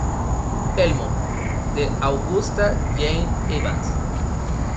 Elmo" de Augusta Jane Evans.